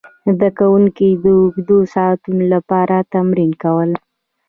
زده کوونکي د اوږدو ساعتونو لپاره تمرین کول.